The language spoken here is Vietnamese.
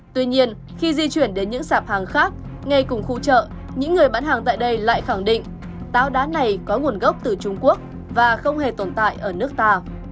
tuy nhiên khi di chuyển đến những sạp hàng khác ngay cùng khu chợ những người bán hàng tại đây lại khẳng định táo đá này có nguồn gốc từ trung quốc và không hề tồn tại ở nước ta